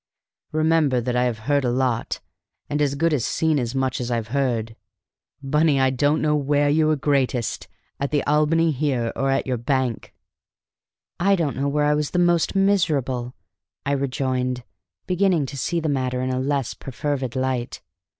Remember that I have heard a lot, and as good as seen as much as I've heard. Bunny, I don't know where you were greatest: at the Albany, here, or at your bank!" "I don't know where I was most miserable," I rejoined, beginning to see the matter in a less perfervid light.